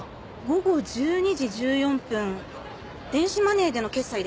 午後１２時１４分電子マネーでの決済ですね。